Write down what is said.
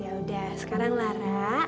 yaudah sekarang lara